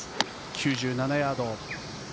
９７ヤード。